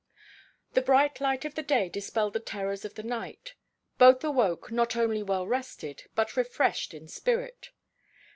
The bright light of the day dispelled the terrors of the night; both awoke not only well rested, but refreshed in spirit.